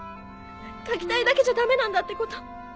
書きたいだけじゃダメなんだってこと。